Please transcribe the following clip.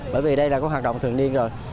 bởi vì đây là có hoạt động thường niên rồi